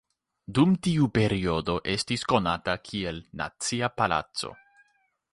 Dum tiu periodo estis konata kiel Nacia Palaco.